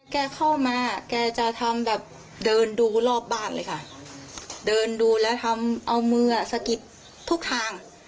แกเข้ามาแกจะทำแบบเดินดูรอบบ้านเลยค่ะเดินดูแล้วทำเอามือสะกิดทุกทาง